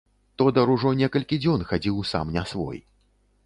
Тодар ужо некалькі дзён хадзіў сам не свой.